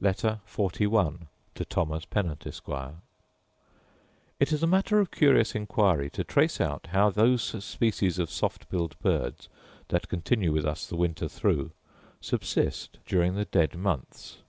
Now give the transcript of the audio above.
Letter XLI To Thomas Pennant, Esquire It is matter of curious inquiry to trace out how those species of soft billed birds, that continue with us the winter through, subsist during the dead months.